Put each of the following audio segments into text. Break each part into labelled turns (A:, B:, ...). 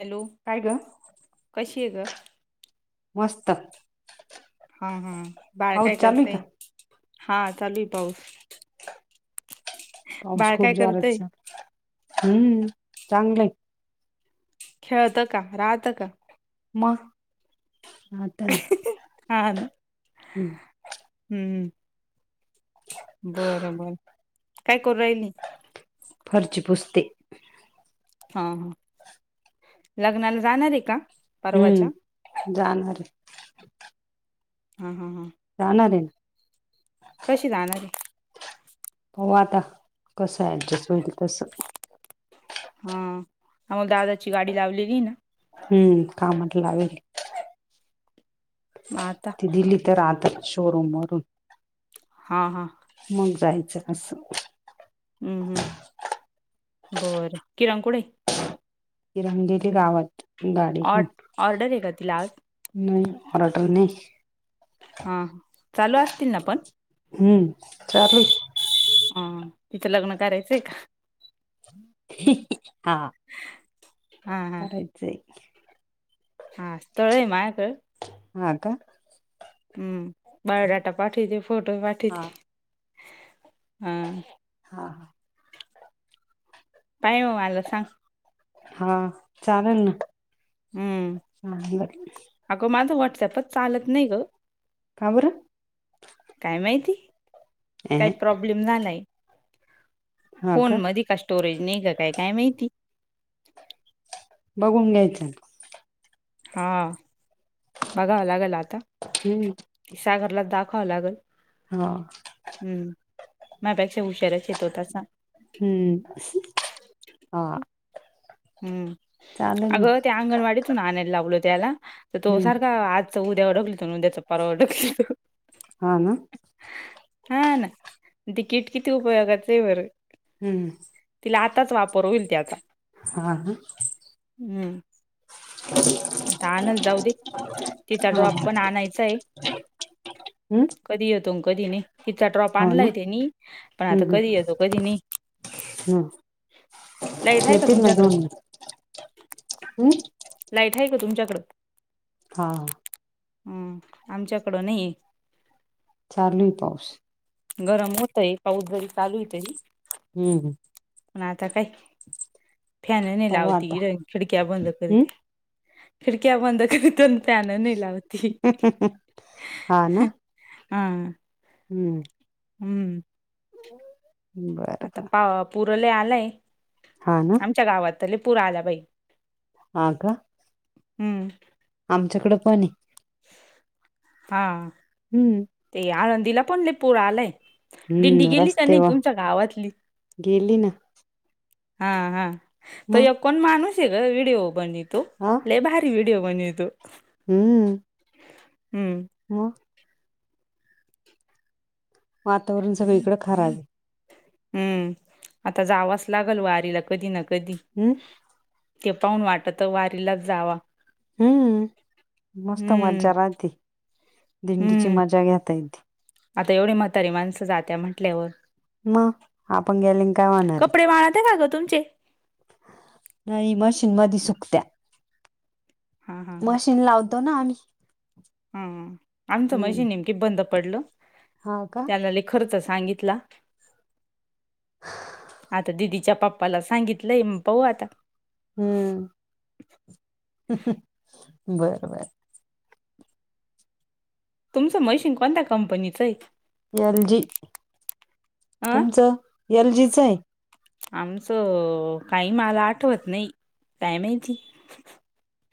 A: Hello
B: काय ग
A: कशी या ग
B: मस्त
A: हा हा बाळ
B: पाऊस
A: काय
B: चालू आहे का
A: करतय हा चालू आहे पाऊस
B: पाऊस
A: बाळ
B: खूप
A: काय
B: जोरात
A: करतय
B: चालू आहे हम्म चांगलं
A: खेळतं का राहतं का
B: मग ह
A: हा ना हम्म बरं बर काय करू राहिल
B: फर्ची पुस्ते
A: हा ह लग्नाला जाणार आहे का परवाच्या
B: हम्म जानवर
A: हा हा हा
B: जाणार आहे ना
A: कशी जाणार ती
B: हो आता कसं ऍडजस्ट होईल तस
A: हा आम्हाला दादाची गाडी लावलेली ना
B: हम्म का म्हटलंवेरे
A: मग आता
B: ती दिली तर आता शोरूमवररून
A: हां हां
B: मग जाहायचं कसं
A: हम् हम् बरं किरांकोळे
B: ति रंगलेली गावात गाडी
A: ऑ
B: ख
A: ऑर्डर आहे का तिला आज
B: नाही हर्टल नाही
A: हा चालू असतील ना पण
B: हम्म चाारली
A: ह तिचं लग्न करायचंय का
B: हा
A: हा हा
B: करायच
A: हा स्तोळे मायकळ
B: हा का
A: हम्म बायोडाटा पाठीवते फोटो
B: हा
A: पाठीवते हा
B: हा हा
A: पाय हो मला सांग
B: हा चालेल ना
A: हम्म
B: हा बर
A: अगं माझं व्हॉट्सअपच चालत नाही ग
B: का बरं.
A: काय माहिती
B: अ
A: काही प्रॉब्लेम झालाय फोन मध का? स्टोरेज नाही का काय काय माहिती
B: बघून घ्यायचं.
A: हा बघावं लागेल आता
B: हम्म
A: क सागरला दाखवावं लागेल.
B: हा
A: हम्म मापेक्षा हुशार्याच येतोतासा.
B: हम्म हा.
A: हम्म
B: चालेल ना
A: अगं त्या अंगणवाडीतून आणायला लावलो त्याला तर तो
B: हम्म
A: सारखा आजच उद्यावर डकली त उद्याचा पारवावर ओडकली त.
B: हा ना
A: हा ना. तिकीट किती उपयोगाच आहे बर
B: हम्म
A: तिला आताच वापर होईल ते आता
B: हा ह.
A: हम्म. आता आणल जाऊ दे तिथं
B: हा
A: ड्रॉप
B: हम्म
A: पण आणायचं आहे. कधी येतो कधी नाही तिचा ड्रॉप
B: हो ना
A: आणलाय ते नि पण
B: हम्म
A: आता
B: हम्म
A: कधी येतो कधी नाही
B: हम्म
A: लाईट आहे का तुमच्याकडं
B: हम्.
A: लाईट आहे का तुमच्याकडें
B: हा.
A: हम आमच्याकडं नाही.
B: चालू पावस
A: गरम होतय पाऊस जरी चालू आहे तरी
B: हम् हम.
A: पण आता काय फॅन नाही
B: पाहू आता
A: लावती खिडक्या बंद
B: हम्म
A: करीते. खिडक्या बंद कर. दोन पॅन नलावती
B: हा ना
A: हा.
B: हम्म.
A: हम्म
B: बर
A: आता
B: बर
A: पा पुरले आलाय.
B: हा ना.
A: च्या गावातले पुूरा आला बाई.
B: आग.
A: हम्म.
B: आमच्याकडे पण आहे.
A: हा.
B: हम्म.
A: ते आळंदीला पण लय पूर आलाय दिंडी
B: हम्म
A: गेली का
B: रस्ते
A: नाही
B: वा
A: तुमच्या गावातली
B: गेली ना.
A: हा हा त
B: मग
A: यकोण मानूस का व्हडीिओ बन तू
B: हा.
A: लई भारी वीडिओ बणेतो.
B: हम्म.
A: हम्म.
B: हा. वातावरण सगळीकडें खराब आहे.
A: हम्म आता जावच लागेल वारीला कधी ना कधी
B: हम्म.
A: ते पाहून वाटत वारीलाच जावा.
B: हम्म मस्त मज्जा
A: हम्म
B: राहते दिंडीची
A: हम्म
B: मज्जा घेता येते.
A: आता एवढी म्हातारी माणसं जाते म्हटल्यावर
B: मग आपण गेले न काय होणार
A: कपडे वाळत आहे का ग तुमचे?
B: नाहीई मशीन मध सुकत्या.
A: हा हा हा
B: मशीन लावतो ना आम्ही.
A: हा आमचं
B: हम्म
A: म्हजे नेमकीे बंद पडलं
B: हा का
A: त्याला खर्च सांगितला. आता दिदीच्या पाप्पाला सांगितलंय मग पाहू आता.
B: हम्म बर बर.
A: तुमचं मशीन कोणत्या कंपनीचं आहे.
B: एल जी
A: अ
B: तुमचं एल जीचं आहे.
A: आमचं काही मला आठवत नाही काय माहित.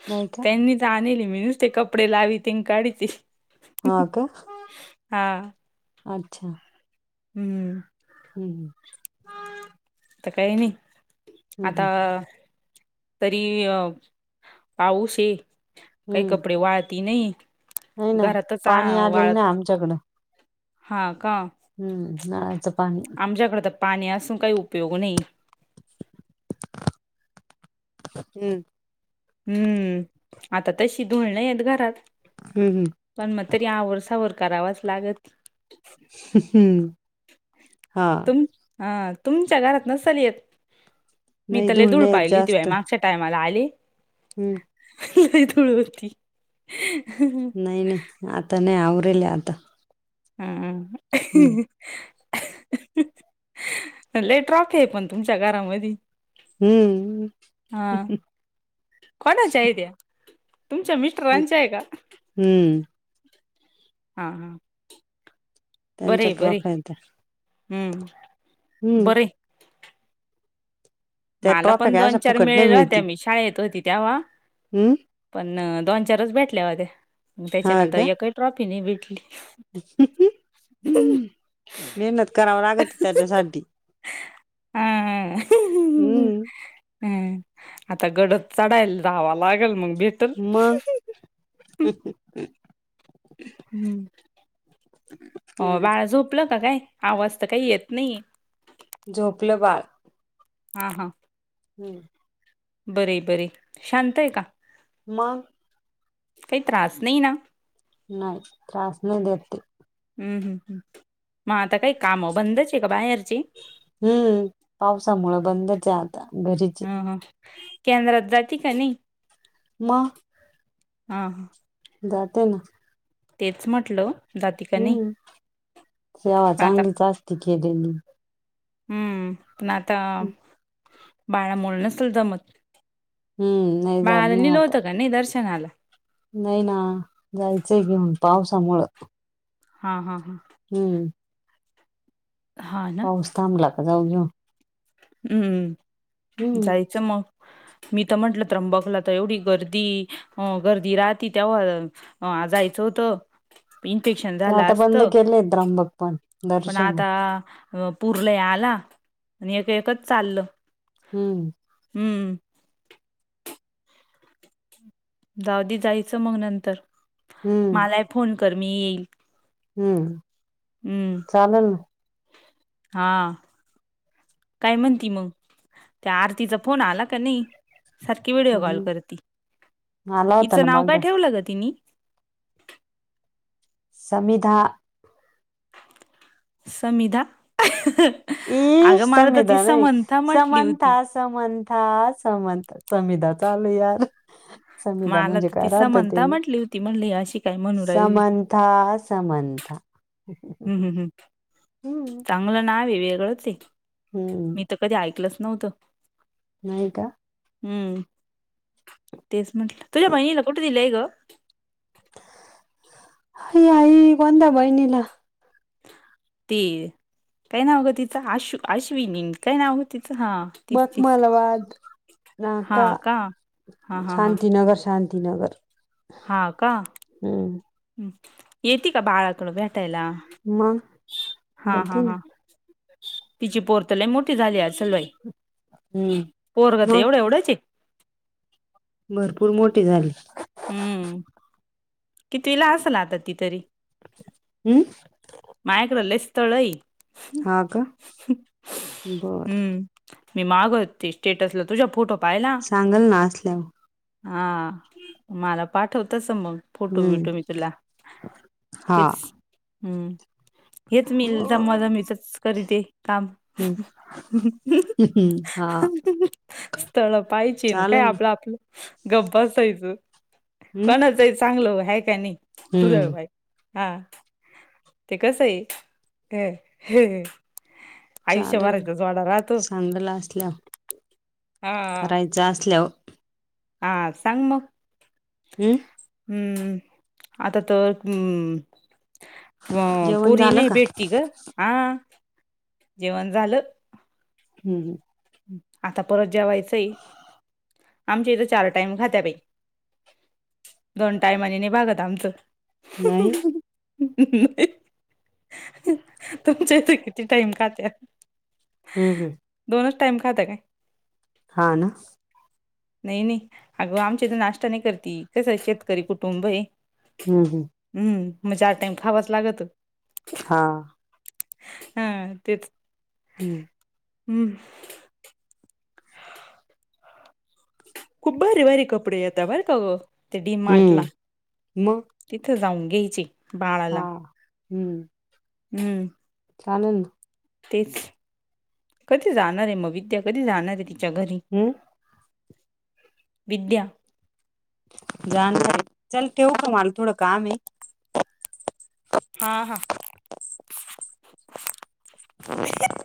B: नाहीय का.
A: त्यांनी तर आणली मी नुस ते कपडे लावी ते काढती.
B: हा का अच्छा! !
A: हम्म.
B: हम् ह.
A: तर काही नाही आता.
B: हम्म
A: तरी पाऊस आहे काय
B: हम्म
A: कपडे वाळती नाहीय.
B: नाही ना
A: घरातच
B: पाणी आलेलं
A: वाळत.
B: ना आमच्याकडं
A: हा का.
B: हम्म नळाचा पाणी.
A: आच्याकडे तर पाणी असून काही उपयोग नाही.
B: हम्म
A: हम्म आता तशी धुळणे आहेत घरात.
B: हम् हम
A: पण मग तरी या वर्सावर करावाच लागत.
B: हा.
A: ह तुमच्या घरात नस ल य मी
B: नाही
A: त्याले ूळ
B: धुळणे
A: पाहिली दिवाय
B: जास्त
A: मागच्या- टायमाला आली.
B: हम्म
A: थोडी होती.
B: नाही नाही आता नाही आवरेल आता.
A: हा.
B: हम्म
A: लेट्रॉफ आहे पण तुमच्या घरामध्येध
B: हम्म
A: हा कोणाच्या आहे त्या्या तुमच्या मि
B: मी
A: स्टरांची आहे का
B: हम्म
A: हा हा. बर
B: त्यांच्या
A: बरी
B: ट्रॉफ्या आहेत त्या हम्म
A: बर.
B: त्या
A: मला
B: ट्रॉफ्या
A: पण
B: काय
A: दोन
B: अशा
A: चार
B: फुकट नाही
A: मिळेल्या होत्या मी शाळा येत होती तेव्हा.
B: हम
A: पण दोन चारच भेटल्या होत्या त्याच्यानंतर एक काही ट्रॉफी नाही भेटली.
B: ह मेहनत कराव लागत त्याच्यासाठी.
A: हा
B: हम्म
A: हम आता गडद चढायला रावा लागेल मग भेट
B: मग.
A: हम्म हो
B: हम्म
A: बाळा झोपलं का काय आवाज तर काही येत नाही.
B: झोपलं बाळ.
A: ह हां.
B: हम्म
A: बर बर शांत आहे का?
B: मग.
A: काही त्रास नाही ना.
B: नाही त्रास नाही देते.
A: हम् हम् मग आता काही काम बंदच आहे का बाहेरचे.
B: हम्म पावसामु बंदच आहे आता घरीच.
A: ह ह केंद्रात जाते का नाही.
B: म
A: हां.
B: जात ना.
A: तेच म्हटलं. जाती का नाही?
B: हम्म सेवा
A: पण आता
B: चांगलीच असती केलेली मी.
A: हम्म पण आता बाळामोल नसल जमत.
B: हम्म. नाही जात
A: बाळाला
B: नाही
A: निलं
B: आता
A: होतं का नाही दर्शनाला.
B: नाही ना जायचंय घेऊन पावसामुळ.
A: हा हा हा.
B: हम्म.
A: हा
B: पाऊसथांबला का जाऊ घेऊ.
A: हम्मम्
B: हम्म
A: जायचं मग. मी तर म्हंटलं त्र्यंबकला तर एवढी गर्दी अ गर्दी राहती तेव्हा. ह जायचं होतं इन्फेक्शन झालं असत.
B: पाहिले त्रंबक पण.
A: पण
B: दर्शन
A: आता अ पुरलंय आला आणि एक एकच चाललं.
B: हम्म.
A: हम्म. जाऊधी जायचं मग नंतर
B: हम्म
A: मला फोन कर मी येईल.
B: हम्म.
A: हम्म
B: चालेल ना
A: हा. काय म्हणती मग त्या आरतीचा फोन आला का नाही. सारखी व्हिडओ कॉल
B: हम्म
A: करती
B: आला
A: तिच
B: होता ना
A: नाव
B: मग
A: काय ठेवलं ग तिनी.
B: संमिधा.
A: समिधा.
B: इ
A: अगं मला तर ती
B: संविधान
A: समंथा म्हटली
B: समता
A: होती
B: आस. समंथा समंथ समीदा चालू यार. समिदा
A: मला
B: म्हणजे
A: तर
B: काय
A: ती
B: राहत ते
A: समंथा
B: म
A: म्हटली होती म्हणली अशी काय म्हणू राहिली
B: समान. था समंत.
A: हम् हम् हम्
B: हम्म
A: चांगलं नाव आहे वेगळं ते
B: हम्म
A: मी तर. कधी ऐकलंच नव्हतं.
B: नाय का.
A: हम्म तेच म्हंटलं तुझ्या बहिणीला कुठे दिलंय ग.
B: आई आई कोंद बैनीला.
A: ते काय नावगं तिचं आश् आश्विनी काय नावगं तिचं हा. तीच तीच
B: मकमालाबाद
A: हा
B: नाका
A: का हा हा हा
B: शांतीनगर शांती. दिनगर.
A: हा का येते का बाळाकड भेटायला.
B: मग
A: हा हा
B: गलती ना
A: हा तिची पोरतलय मोठी झाली अस्सल बाई.
B: हम्म
A: पोरगत
B: मग
A: एवढ्या एवढ्याचे.
B: भरपूर मोठे झाली.
A: हम्म कितीला असल आता ति तरी.
B: हम्.
A: मायकडले स्थळेई हाय.
B: हा का बर.
A: हम्म मी मागच ते स्टेटसला तुझ्या फोटो पाहायला.
B: सांगलं ना असल्यावर
A: हा मला पाठव तस मग. फोटो
B: हम्म
A: बिटो मी तुला
B: हा
A: तेच हम्म. हेच मी जमवाजमीवीच करीते काम.
B: ह ह हमम.
A: स्थळ पाहिचीन काय
B: चालेल ना
A: आपलं आपलं. गप्प बसायच
B: हम्म
A: कोणाचय चांगलं हाय काय नाही
B: हम्म
A: हा ते कस ये ह
B: चालल ना चांगलं असल्यावर
A: हा
B: करायच असल्यावर.
A: हा सांग मग.
B: हम्म.
A: हम्म आता तर हम. अ
B: जेवण
A: पोरी
B: झालं
A: नाही
B: का
A: देखती ग हा जेवण झालं.
B: हम् हम.
A: आता परत जेवायचं आहे आमच्या इथे चार टाइम खात्यात ये. दोन टायमाने नाही भागत आमचं.
B: नाही
A: तुमच्या इथ किती टाइम खात्यात.
B: हम् हम.
A: दोनच टाइम खात काय?
B: हा ना.
A: नाही नाही अगं आमची इथ नाश्ता नाही करती कस शेतकरी कुटुंब ये.
B: हम् हम.
A: हम्म मग चार टाइम खावाच लागत.
B: हा.
A: हा तेच.
B: हम्म.
A: हम्म. खूप भारी भारी कपडे येतात हाय काव्ह ते डी मार्टला.
B: हम्म मग
A: तिथं जाऊन घ्यायची.
B: हा हम्म.
A: हम्म.
B: चालल ना.
A: तेच कधी जाणार आहे म विद्या कधी जाणार आहे तिच्या घरी?
B: हो.
A: विद्या.
B: जाणार ये चल ठेवू का मला थोडं काम ये.
A: हा हा.
B: [inaudible]